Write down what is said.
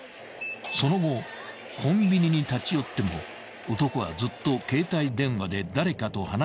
［その後コンビニに立ち寄っても男はずっと携帯電話で誰かと話をし続けたまま］